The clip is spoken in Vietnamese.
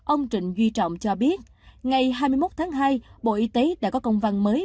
ông trịnh duy trọng cho biết ngày hai mươi một tháng hai bộ y tế đã có công văn mới